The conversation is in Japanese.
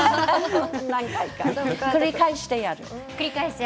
何回か繰り返してやる。